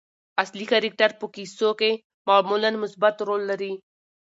اصلي کرکټر په کیسو کښي معمولآ مثبت رول لري.